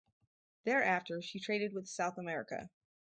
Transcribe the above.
Thereafter she traded with South America.